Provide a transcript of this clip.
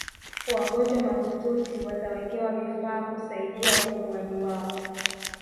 wagonjwa mahututi watawekewa vifaa kusaidia upumuaji wao